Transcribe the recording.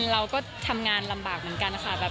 เราก็ทำงานลำบากเหมือนกันค่ะ